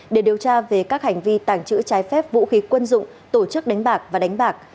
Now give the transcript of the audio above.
để điều tra về các hành vi tàng trữ trái phép vũ khí quân dụng tổ chức đánh bạc và đánh bạc